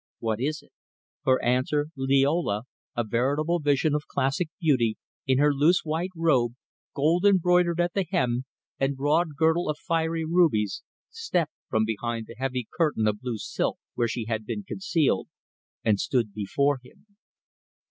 What is it?" For answer, Liola, a veritable vision of classic beauty in her loose white robe, gold embroidered at the hem, and broad girdle of fiery rubies, stepped from behind the heavy curtain of blue silk where she had been concealed, and stood before him.